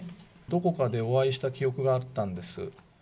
どこかでお会いした記憶があったんです。